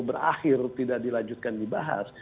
terakhir tidak dilanjutkan dibahas